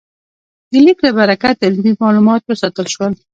د لیک له برکته علمي مالومات وساتل شول.